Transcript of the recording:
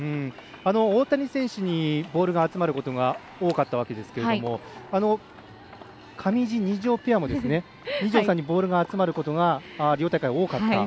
大谷選手にボールが集まることが多かったわけですけども上地、二條ペアも、二條さんにボールが集まることがリオ大会多かった。